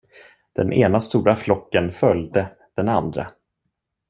Den ena stora flocken följde den andra.